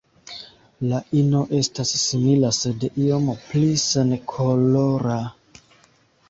La ino estas simila sed iom pli senkolora.